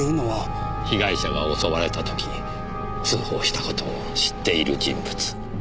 被害者が襲われた時通報した事を知っている人物。